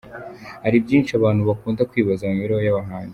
Hari byinshi abantu bakunda kwibaza ku mibereho y’abahanzi.